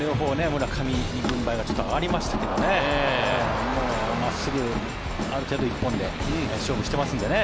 村上に軍配が上がりましたけどね真っすぐ、ある程度一本で勝負してますのでね。